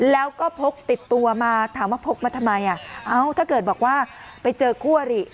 แล้วก็พกติดตัวมาถามว่าพกมาทำไมอ่ะเอ้าถ้าเกิดบอกว่าไปเจอคู่อริ